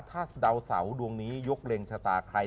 ถ้าดาวเสาดวงนี้ยกเล็งชะตาใคร